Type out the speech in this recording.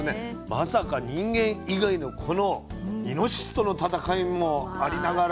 まさか人間以外のこのイノシシとの戦いもありながら。